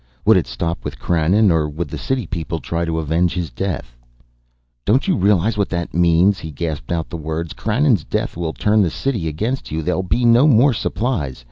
Would it stop with Krannon or would the city people try to avenge his death? "Don't you realize what that means!" he gasped out the words. "Krannon's death will turn the city against you. There'll be no more supplies.